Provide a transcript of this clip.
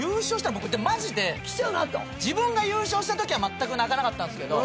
自分が優勝したときはまったく泣かなかったんすけど。